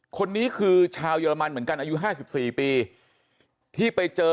คนนี้คือชาวเยอรมันเหมือนกันอายุ๕๔ปีที่ไปเจอ